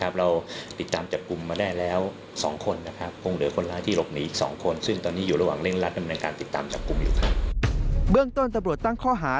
เบื้องต้นตำรวจตั้งข้อหา